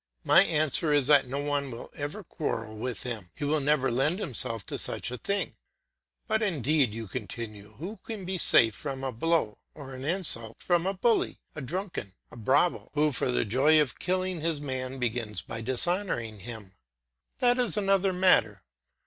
My answer is that no one will ever quarrel with him, he will never lend himself to such a thing. But, indeed, you continue, who can be safe from a blow, or an insult from a bully, a drunkard, a bravo, who for the joy of killing his man begins by dishonouring him? That is another matter.